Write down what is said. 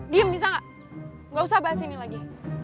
diam bisa gak gak usah bahas ini lagi